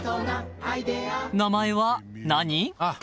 ［名前は何？］